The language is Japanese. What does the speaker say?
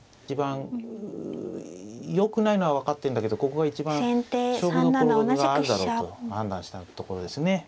一番よくないのは分かってんだけどここが一番勝負どころがあるだろうと判断したところですね。